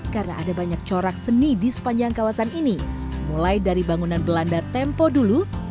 karena ada banyak corak seni di sepanjang kawasan ini mulai dari bangunan belanda tempo dulu